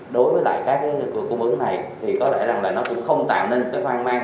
đối với lại các cung ứng này thì có lẽ là nó cũng không tạm nên cái vang mang